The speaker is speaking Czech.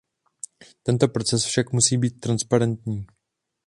Tento proces však musí být transparentní.